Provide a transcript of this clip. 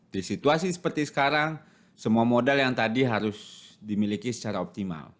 di situasi seperti sekarang semua modal yang tadi harus dimiliki secara optimal